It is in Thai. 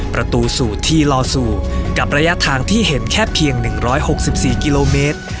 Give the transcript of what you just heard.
ประตูสู่ที่ลอสู่กับระยะทางที่เห็นแค่เพียง๑๖๔กิโลเมตร